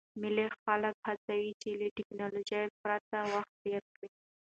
مېلې خلک هڅوي، چي له ټکنالوژۍ پرته وخت تېر کي.